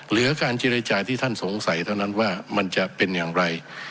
เหลือการเจรจาที่ท่านสงสัยเท่านั้นว่ามันจะเป็นอย่างไร